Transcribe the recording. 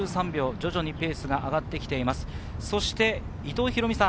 徐々にペースが上がってきています。